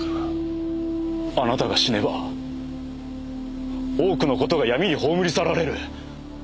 あなたが死ねば多くの事が闇に葬り去られる。